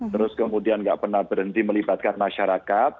terus kemudian nggak pernah berhenti melibatkan masyarakat